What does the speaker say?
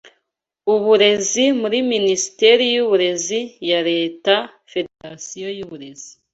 uburezi muri minisiteri yuburezi ya leta federasiyo yuburezi